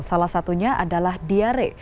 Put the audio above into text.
salah satunya adalah diare